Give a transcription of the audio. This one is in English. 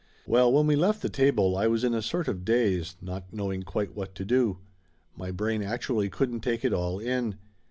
Well, when we left the table I was in a sort of daze, not knowing quite what to do. My brain actu ally couldn't take it all in.